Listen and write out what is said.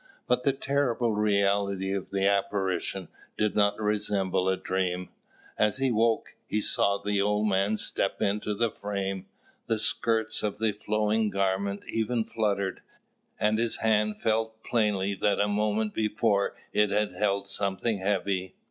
But the terrible reality of the apparition did not resemble a dream. As he woke, he saw the old man step into the frame: the skirts of the flowing garment even fluttered, and his hand felt plainly that a moment before it had held something heavy.